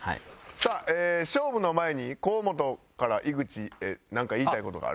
さあ勝負の前に河本から井口へなんか言いたい事がある？